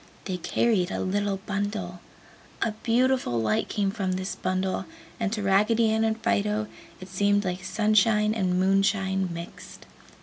They carried a little bundle. A beautiful light came from this bundle, and to Raggedy Ann and Fido it seemed like sunshine and moonshine mixed.